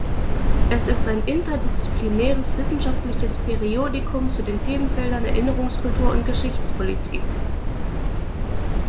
Es ist ein interdisziplinäres wissenschaftliches Periodikum zu den Themenfeldern Erinnerungskultur und Geschichtspolitik.